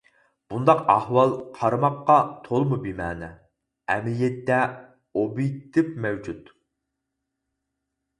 مۇنداق ئەھۋال قارىماققا تولىمۇ بىمەنە، ئەمەلىيەتتە ئوبيېكتىپ مەۋجۇت.